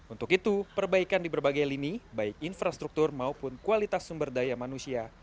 untuk itu perbaikan di berbagai lini baik infrastruktur maupun kualitas sumber daya manusia